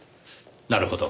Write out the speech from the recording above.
なるほど。